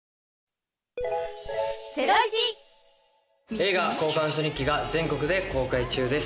映画『交換ウソ日記』が全国で公開中です。